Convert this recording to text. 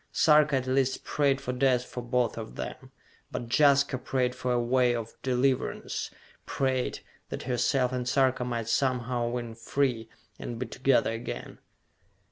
Sarka at least prayed for death for both of them; but Jaska prayed for a way of deliverance, prayed that herself and Sarka might somehow win free, and be together again.